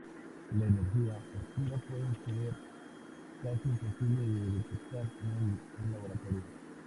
La energía oscura puede ser casi imposible de detectar en un laboratorio.